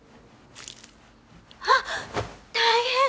あっ大変！